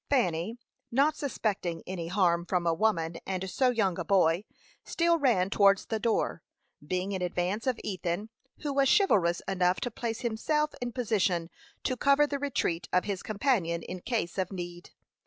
Fanny, not suspecting any harm from a woman and so young a boy, still ran towards the door, being in advance of Ethan, who was chivalrous enough to place himself in position to cover the retreat of his companion in case of need.